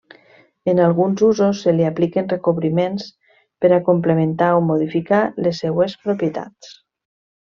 En alguns usos, se li apliquen recobriments per a complementar o modificar les seues propietats.